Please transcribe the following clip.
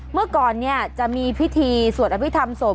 เมื่อก่อนจะมีพิธีสวดอภิษฐรรมศพ